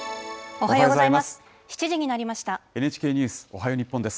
おはようございます。